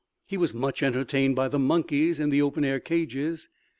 He was much entertained by the monkeys in the open air cages.